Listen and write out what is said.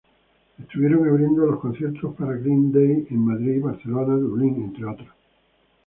Estuvieron abriendo los conciertos para Green Day en Madrid, Barcelona, Dublin, entre otros..